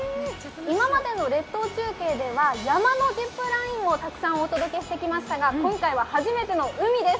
今までの列島中継では山のジップラインをたくさんお届けしてきましたが、今回は初めての海です。